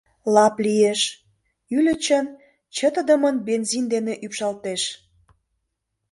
Лап лиеш — ӱлычын чытыдымын бензин дене ӱпшалтеш.